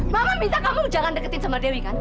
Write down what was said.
mama minta kamu jangan deketin sama dewi kan